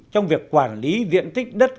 trong việc quản lý diện tích đất